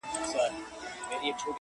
ناست وي په محفل کښې خو تنها لګي